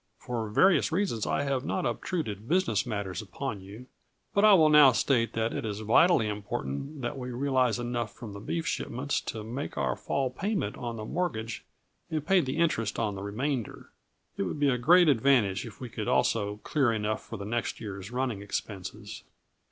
For various reasons I have not obtruded business matters upon you, but I will now state that it is vitally important that we realize enough from the beef shipments to make our fall payment on the mortgage and pay the interest on the remainder. It would be a great advantage if we could also clear enough for the next year's running expenses.